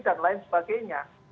dan lain sebagainya